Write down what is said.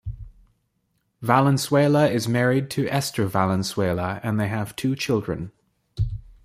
Valenzuela is married to Esther Valenzuela and they have two children.